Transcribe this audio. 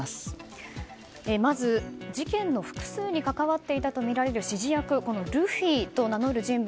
まず、事件の複数に関わっていたとみられる指示役ルフィと名乗る人物